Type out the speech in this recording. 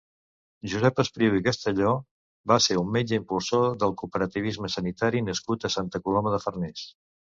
Josep Espriu i Castelló va ser un metge impulsor del cooperativisme sanitari nascut a Santa Coloma de Farners.